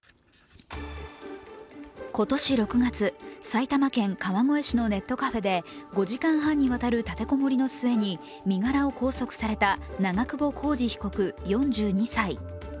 今年６月、埼玉県川越市のネットカフェで５時間半にわたる立て籠もりの末に身柄を拘束された長久保浩二被告４２歳。